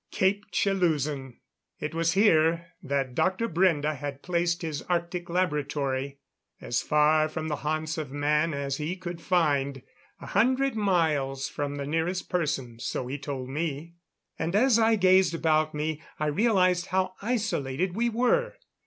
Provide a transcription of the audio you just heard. Cape Chelusin! It was here that Dr. Brende had placed his Arctic laboratory as far from the haunts of man as he could find a hundred miles from the nearest person, so he told me. And as I gazed about me I realized how isolated we were.